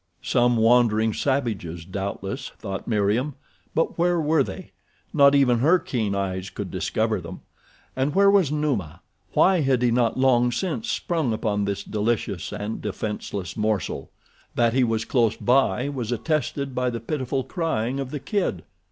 Some wandering savages, doubtless, thought Meriem; but where were they? Not even her keen eyes could discover them. And where was Numa? Why had he not long since sprung upon this delicious and defenseless morsel? That he was close by was attested by the pitiful crying of the kid.